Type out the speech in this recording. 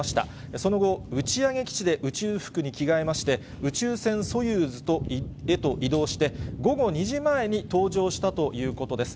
その後、打ち上げ基地で宇宙服に着替えまして、宇宙船ソユーズへと移動して、午後２時前に搭乗したということです。